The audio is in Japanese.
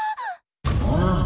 ああ！